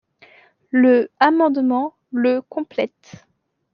Le amendement le complète.